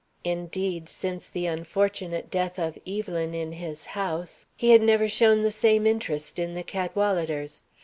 Indeed, since the unfortunate death of Evelyn in his house, he had never shown the same interest in the Cadwaladers.